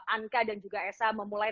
anka dan juga esa memulai